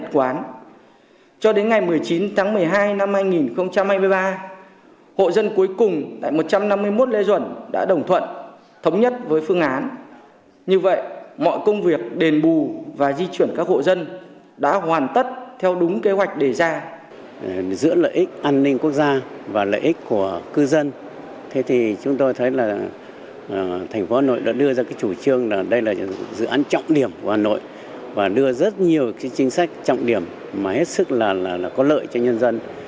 thành phố hà nội đã đưa ra chủ trương là đây là dự án trọng điểm của hà nội và đưa rất nhiều chính sách trọng điểm mà hết sức là có lợi cho nhân dân